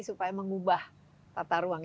supaya mengubah tata ruang